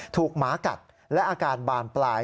หมากัดและอาการบานปลาย